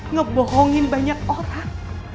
membohongi banyak orang